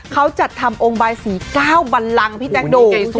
เขาจัดทำองค์ใบสีก้าวบันรังพี่แต๊กดู